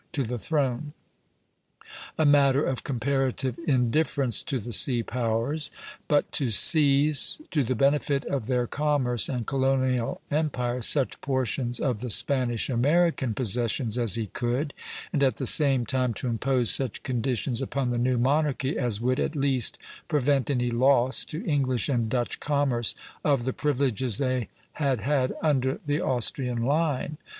to the throne, a matter of comparative indifference to the sea powers, but to seize, to the benefit of their commerce and colonial empire, such portions of the Spanish American possessions as he could, and at the same time to impose such conditions upon the new monarchy as would at least prevent any loss, to English and Dutch commerce, of the privileges they had had under the Austrian line.